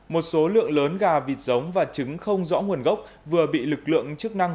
một số lượng lớn gà vịt giống và trứng không rõ nguồn gốc vừa bị lực lượng chức năng